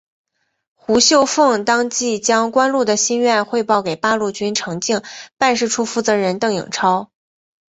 胡绣凤当即将关露的心愿汇报给八路军重庆办事处负责人邓颖超。